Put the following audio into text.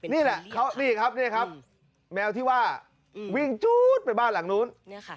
นี่แหละแมวที่ว่าวิ่งจู๊ดไปบ้านหลังนู้น